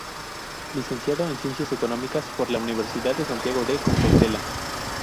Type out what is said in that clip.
Licenciado en Ciencias Económicas por la Universidad de Santiago de Compostela.